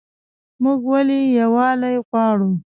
موږ ولې یووالی غواړو؟